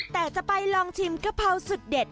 แต่จะไปลองชิมกะเพราสุดเด็ด